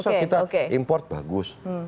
maksudnya kita import bagus